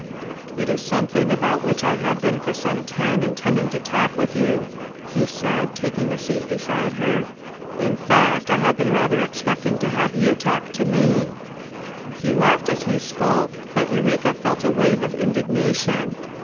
"It is something about which I have been for some time intending to talk with you," he said, taking a seat beside her. "In fact I have been rather expecting to have you talk to me." He laughed as he spoke, but Eureka felt a wave of indignation.